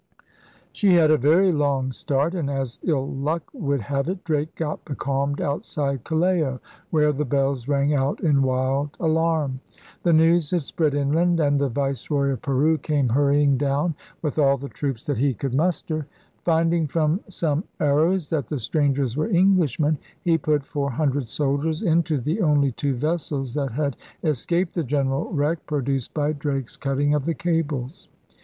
She had a very long start; and, as ill luck would have it, Drake got becalmed outside Callao, where the bells rang out in wild alarm. The news had spread inland and the Viceroy of Peru came hurrying down with all the troops that he could muster. Finding from some arrows that the strangers were Englishmen, he put four hun dred soldiers into the only two vessels that had escaped the general wreck produced by Drake's cutting of the cables.